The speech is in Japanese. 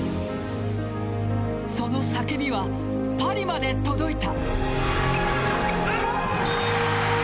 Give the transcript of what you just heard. その叫びは、パリまで届いた。